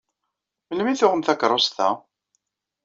Melmi i tuɣem takeṛṛust-a?